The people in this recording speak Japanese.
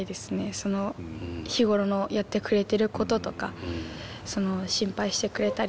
日頃のやってくれてることとか心配してくれたりとか。